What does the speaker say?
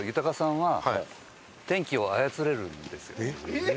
えっ！